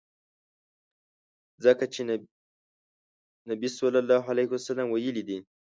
ځکه چي نبي ص ویلي دي.